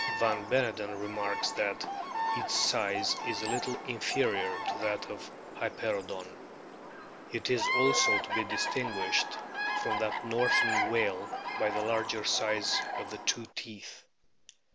Van Beneden remarks that o its size is a little inferior to that of Hyperoodon. It is also to be distinguished from that northern whale by the larger size of the two teeth.